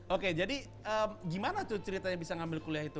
oke jadi gimana tuh ceritanya bisa ngambil kuliah itu